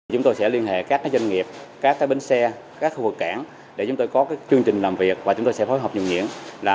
chúng tôi sẽ liên hệ các doanh nghiệp các bến xe các khu vực cảng để chúng tôi có chương trình làm việc và chúng tôi sẽ phối hợp nhiều nhiễm